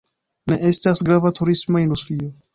Ne estas grava turisma industrio.